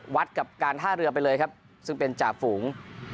กับการท่าเรือไปเลยครับซึ่งเป็นจ่าฝูง